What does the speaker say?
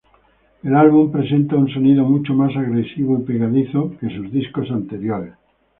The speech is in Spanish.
El álbum presenta un sonido mucho más agresivo y pegadizo que sus discos anteriores.